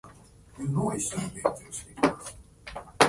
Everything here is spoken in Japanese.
興味深い内容だね